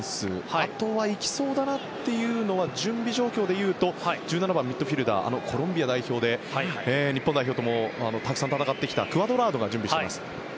あとは行きそうだなというのは準備状況でいうと１７番、ミッドフィールダーのコロンビア代表で日本代表ともたくさん戦ってきたクアドラードが準備しています。